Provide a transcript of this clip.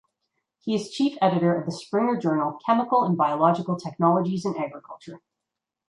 He is chief editor of the Springer journal "Chemical and Biological Technologies in Agriculture".